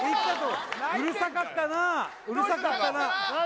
うるさかったなうるさかったな何？